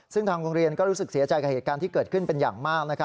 ซึ่งทางโรงเรียนก็รู้สึกเสียใจกับเหตุการณ์ที่เกิดขึ้นเป็นอย่างมาก